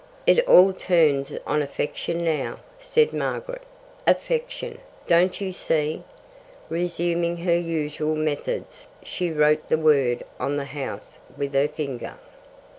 "It all turns on affection now," said Margaret. "Affection. Don't you see?" Resuming her usual methods, she wrote the word on the house with her finger.